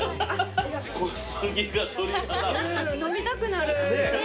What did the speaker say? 飲みたくなる。